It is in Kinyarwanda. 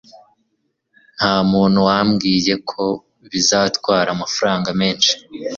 Nta muntu wambwiye ko bizatwara amafaranga menshi